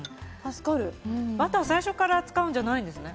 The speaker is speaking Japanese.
バターは最初から使うんじゃないんですね。